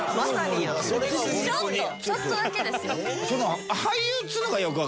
ちょっとちょっとだけですよ。